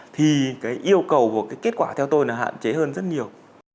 thì cái yêu cầu của cái kết quả theo tôi là hạn chế hơn rất nhiều